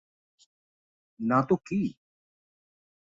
না তো কী?